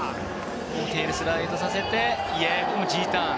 テールスライドさせてＧターン。